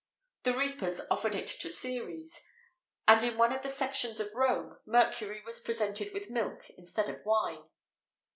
[XVIII 9] The reapers offered it to Ceres;[XVIII 10] and in one of the sections of Rome, Mercury was presented with milk instead of wine.